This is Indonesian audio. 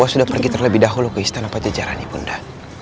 kau sudah pergi terlebih dahulu ke istana pajajaran ibu nda